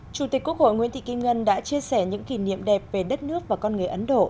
chủ tịch quốc hội nguyễn thị kim ngân đã chia sẻ những kỷ niệm đẹp về đất nước và con người ấn độ